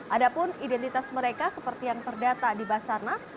ada pun identitas mereka seperti yang terdata di basarnas